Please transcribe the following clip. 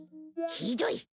ひどい！